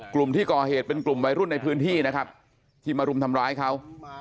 กลุ่มที่ก่อเหตุเป็นกลุ่มวัยรุ่นในพื้นที่นะครับที่มารุมทำร้ายเขา